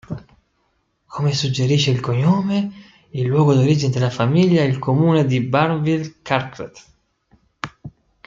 Come suggerisce il cognome, il luogo d'origine della famiglia è il comune di Barneville-Carteret.